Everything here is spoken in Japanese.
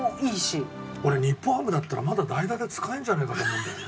俺日本ハムだったらまだ代打で使えるんじゃねえかと思うんだよね。